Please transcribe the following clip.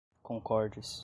concordes